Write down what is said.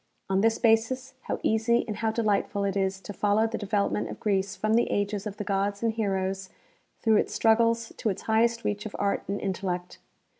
On this basis, how easy and how delightful it is to follow the development of Greece from the ages of the gods and heroes through its struggles to its highest reach of art and intellect